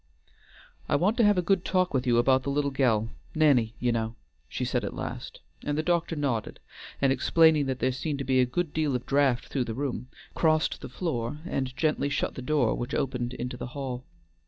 "I want to have a good talk with you about the little gell; Nanny, you know;" she said at last, and the doctor nodded, and, explaining that there seemed to be a good deal of draught through the room, crossed the floor and gently shut the door which opened into the hall.